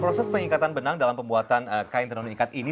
proses pengikatan benang dalam pembuatan kain tenun ikat ini